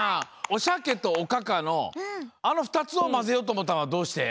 おしゃけとおかかのあのふたつをまぜようとおもったのはどうして？